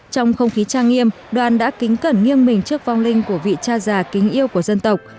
trong không khí trang nghiêm đoàn đã kính cẩn nghiêng mình trước vong linh của vị cha già kính yêu của dân tộc